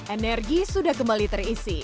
energi sudah kembali terisi